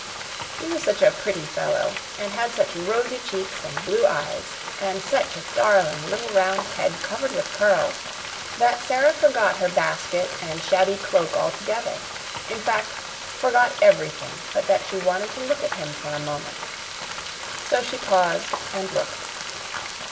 He was such a pretty fellow and had such rosy cheeks and blue eyes, and such a darling little round head covered with curls, that Sara forgot her basket and shabby cloak altogether in fact, forgot everything but that she wanted to look at him for a moment. So she paused and looked.